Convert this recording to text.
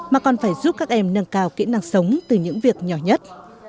mà còn phải giúp các em nâng cao kỹ năng sống từ những việc nhỏ nhất